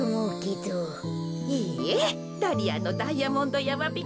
いいえダリアのダイヤモンドやまびこ